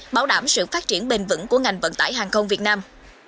bảo đảm sự phát triển bền vững của ngành vận tải hàng không việt nam